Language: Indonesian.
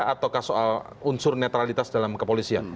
ataukah soal unsur netralitas dalam kepolisian